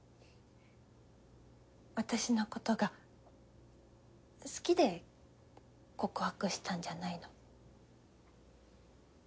私のことが好きで告白したんじゃないの。